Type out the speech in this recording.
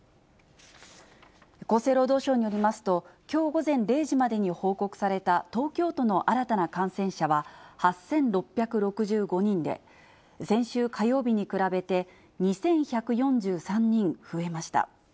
厚生労働省によりますと、きょう午前０時までに報告された東京都の新たな感染者は８６６５人で、先週火曜日に比べて、２１４３人増えました。